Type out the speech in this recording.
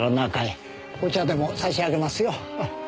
お茶でも差し上げますよ。